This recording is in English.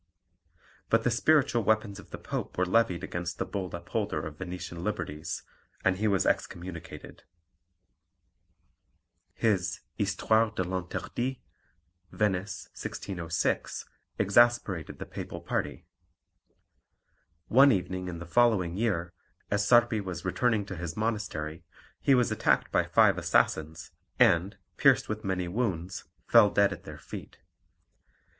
But the spiritual weapons of the Pope were levied against the bold upholder of Venetian liberties, and he was excommunicated. His Histoire de l'Interdit (Venice, 1606) exasperated the Papal party. One evening in the following year, as Sarpi was returning to his monastery, he was attacked by five assassins, and, pierced with many wounds, fell dead at their feet.